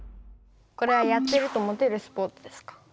これはやってるとモテるスポーツですか？